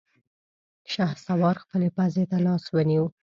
شهسوار خپلې پزې ته لاس ونيو.